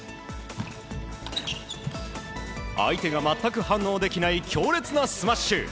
相手が全く反応できない強烈なスマッシュ。